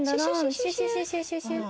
シュシュシュシュシュ。